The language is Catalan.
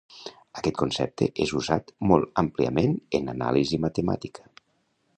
Aquest concepte és usat molt àmpliament en anàlisi matemàtica.